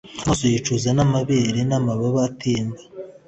Amaso yicuza n'amabere n'amababa atemba -